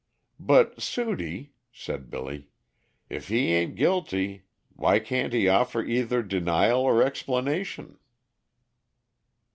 '" "But, Sudie," said Billy, "if he a'n't guilty, why can't he offer either 'denial or explanation'?"